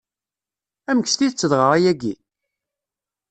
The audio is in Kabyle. Amek s tidett dɣa ayagi?